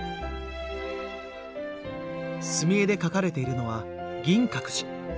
墨絵で描かれているのは銀閣寺。